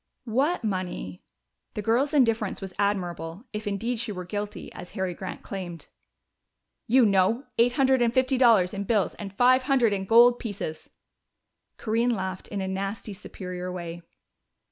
"What money?" The girl's indifference was admirable, if indeed she were guilty, as Harry Grant claimed. "You know. Eight hundred and fifty dollars in bills and five hundred in gold pieces." Corinne laughed in a nasty superior way.